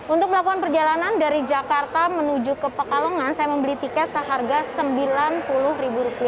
untuk melakukan perjalanan dari jakarta menuju ke pekalongan saya membeli tiket seharga rp sembilan puluh